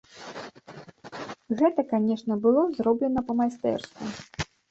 Гэта, канечне, было зроблена па-майстэрску.